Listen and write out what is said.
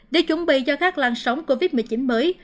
để chuẩn bị cho các lan sóng covid một mươi chín mới